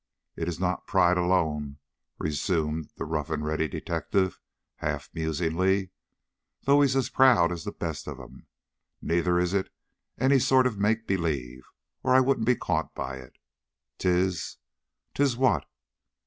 "It is not pride alone," resumed the rough and ready detective, half musingly; "though he's as proud as the best of 'em. Neither is it any sort of make believe, or I wouldn't be caught by it. 'Tis 'tis what?"